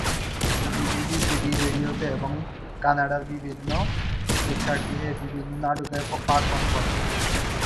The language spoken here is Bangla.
তিনি সিবিসি রেডিওতে এবং কানাডার বিভিন্ন প্রেক্ষাগৃহে বিভিন্ন নাটকে পারফর্ম করেছেন।